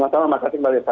terima kasih mbak nita